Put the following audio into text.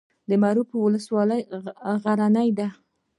د معروف ولسوالۍ غرنۍ ده